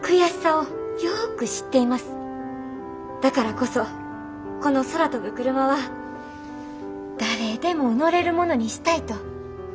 だからこそこの空飛ぶクルマは誰でも乗れるものにしたいと考えています。